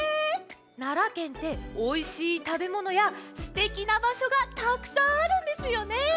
奈良県っておいしいたべものやすてきなばしょがたくさんあるんですよね？